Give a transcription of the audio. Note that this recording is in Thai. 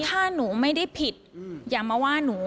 ถ้าหนูไม่ได้ผิดอย่ามาว่าหนู